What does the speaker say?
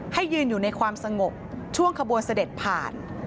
ยืนอยู่ในความสงบช่วงขบวนเสด็จผ่าน